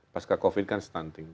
pasca covid kan stunting